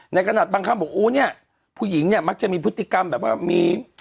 ขนาดบางคำบอกโอ้เนี่ยผู้หญิงเนี่ยมักจะมีพฤติกรรมแบบว่ามี